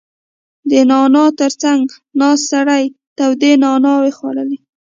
• د نانوا تر څنګ ناست سړی تودې نانې خوړلې.